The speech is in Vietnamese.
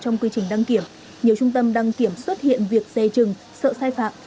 nhiều trung tâm đăng kiểm xuất hiện việc dè chừng sợ sai phạm